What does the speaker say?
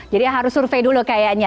jadi harus survei dulu kayaknya